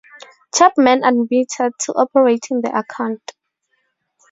Chapman admitted to operating the account.